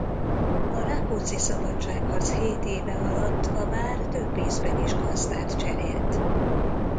A Rákóczi-szabadságharc hét éve alatt a vár több ízben is gazdát cserélt.